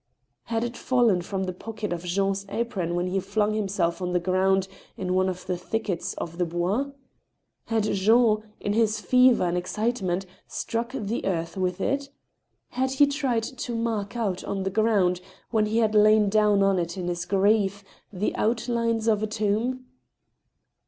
Had it fallen from the pocket of Jean's apron when he flung him self on the ground in one of the thickets of theBois? Had Jean, in his fever and excitement, struck the earth with it ? Had he tried to mark out on the ground, when he had lain down on it in his grief, the outlines of a tomb